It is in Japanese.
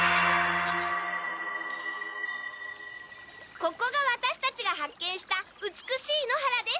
ここがワタシたちが発見した美しい野原です。